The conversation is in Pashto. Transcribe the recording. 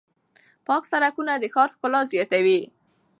پاک سړکونه د ښار ښکلا زیاتوي.